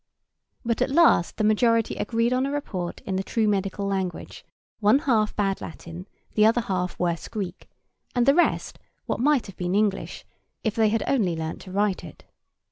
But at last the majority agreed on a report in the true medical language, one half bad Latin, the other half worse Greek, and the rest what might have been English, if they had only learnt to write it.